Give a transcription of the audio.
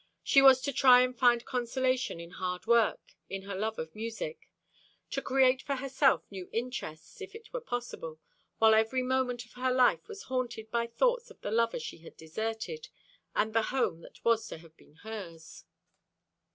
She was to try and find consolation in hard work, in her love of music to create for herself new interests, if it were possible, while every moment of her life was haunted by thoughts of the lover she had deserted, and the home that was to have been hers.